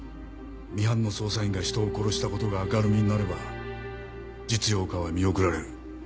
ミハンの捜査員が人を殺したことが明るみになれば実用化は見送られる。